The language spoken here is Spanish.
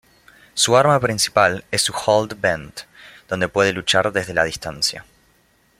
Su arma principal es su Hold Vent, donde puede luchar desde la distancia.